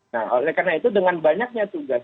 nah oleh karena itu dengan banyaknya tugas